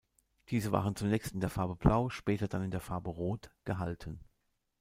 Diese waren zunächst in der Farbe Blau, später dann in der Farbe Rot gehalten.